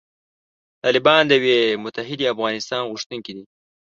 طالبان د یوې متحدې افغانستان غوښتونکي دي.